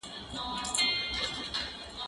زه اجازه لرم چي ليک ولولم؟